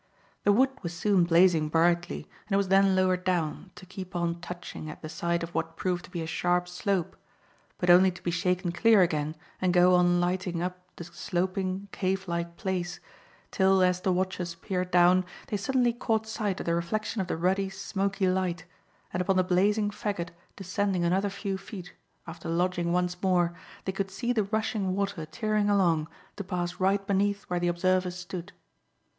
The wood was soon blazing brightly, and it was then lowered down, to keep on touching at the side of what proved to be a sharp slope, but only to be shaken clear again and go on lighting up the sloping, cave like place, till as the watchers peered down they suddenly caught sight of the reflection of the ruddy, smoky light, and upon the blazing faggot descending another few feet after lodging once more, they could see the rushing water tearing along, to pass right beneath where the observers stood.